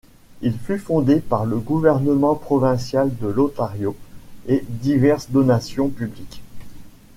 Il fut fondé par le gouvernement provincial de l'Ontario et diverses donations publiques.